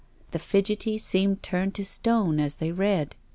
The fid gety seemed turned to stone as they read.